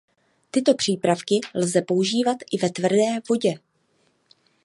Tyto přípravky lze používat i ve tvrdé vodě.